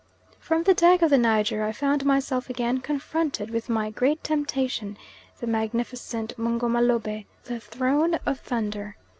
From the deck of the Niger I found myself again confronted with my great temptation the magnificent Mungo Mah Lobeh the Throne of Thunder.